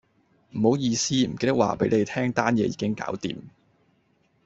唔好意思，唔記得話俾你聽單嘢已經搞掂